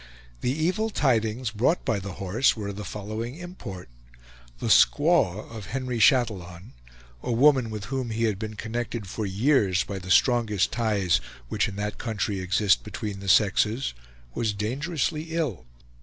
The evil tidings brought by The Horse were of the following import: The squaw of Henry Chatillon, a woman with whom he had been connected for years by the strongest ties which in that country exist between the sexes, was dangerously ill.